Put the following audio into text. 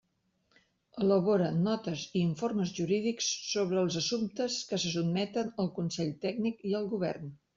Elabora notes i informes jurídics sobre els assumptes que se sotmeten a Consell Tècnic i al Govern.